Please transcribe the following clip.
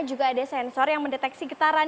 juga ada sensor yang mendeteksi getaran